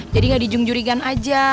jadi gak dijungjurigan aja